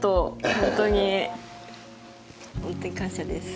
本当に感謝です。